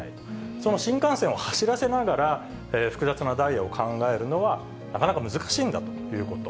その新幹線を走らせながら、複雑なダイヤを考えるのは、なかなか難しいんだということ。